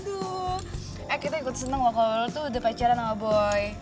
eh kita ikut seneng loh kalau lo tuh udah pacaran sama boy